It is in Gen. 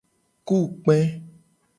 Ku kpe.